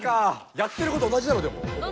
やってること同じだろでもほぼ。